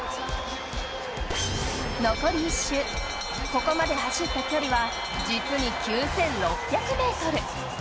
残り１周、ここまで走った距離は実に９６００ｍ。